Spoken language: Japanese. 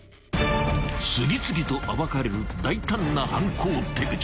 ［次々と暴かれる大胆な犯行手口］